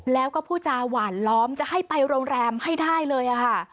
แล้วก็พูดจาหวานล้อมจะให้ไปโรงแรมให้ได้เลยค่ะ